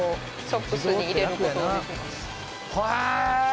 へえ